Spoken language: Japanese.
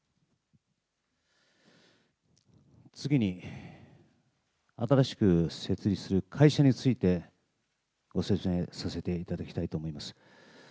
次に、新しく設立する会社について、ご説明させていただきたいと思います。